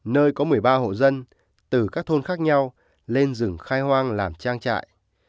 nơi có một mươi ba hộ dân từ các thôn khác nhau lên rừng khai hoang làm trang trại